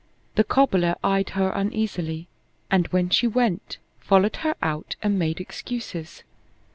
The cobbler eyed her uneasily, and, when she went, followed her out and made excuses.